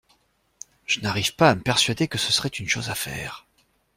Je n’arrive pas à me persuader que ce serait une chose à faire.